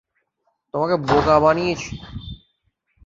তোমাকে বোকা বানিয়েছে!